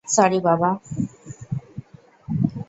Sorry, বাবা।